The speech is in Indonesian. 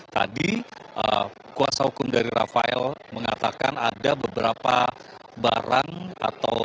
tadi kuasa hukum dari rafael mengatakan ada beberapa barang atau